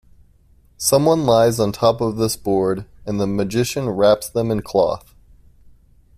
Someone lies on top of this board, and the magician wraps them in cloth.